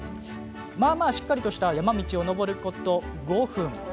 まあまあしっかりとした山道を登ること５分。